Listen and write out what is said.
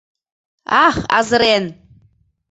Ах, азырен!..